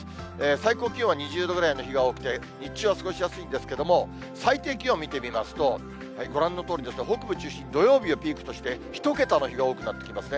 最高気温は２０度ぐらいの日が多くて、日中は過ごしやすいんですけれども、最低気温見てみますと、ご覧のとおり、北部中心に土曜日をピークとして、１桁の日が多くなってきますね。